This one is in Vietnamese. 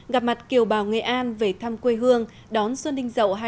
gặp mặt kiều bào nghệ an về thăm quê hương đón xuân đinh dậu hai nghìn một mươi bảy